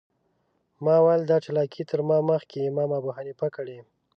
ما ویل دا چالاکي تر ما مخکې امام ابوحنیفه کړې.